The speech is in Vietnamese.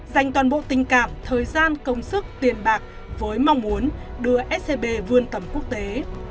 dành toàn bộ tình cảm thời gian công sức tiền bạc với mong muốn đưa scb vươn tầm quốc tế